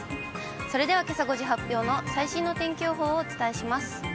それではけさ５時発表の最新の天気予報をお伝えします。